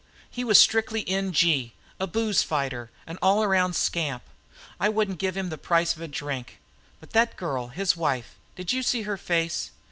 He was strictly N.G., a booze fighter, an all around scamp. I wouldn't give him the price of a drink. But that girl, his wife did you see her face?"